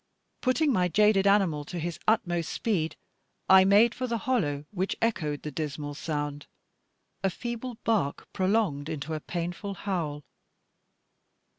Putting my jaded animal to his utmost speed, I made for the hollow which echoed the dismal sound a feeble bark prolonged into a painful howl.